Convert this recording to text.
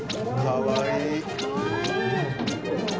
かわいい！